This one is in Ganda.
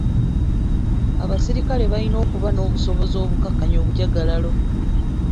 Abaserikale balina okuba n'obusobozi okukakkanya obujagalalo.